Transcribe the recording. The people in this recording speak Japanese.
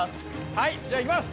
はいじゃあいきます。